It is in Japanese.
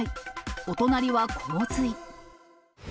お隣は洪水。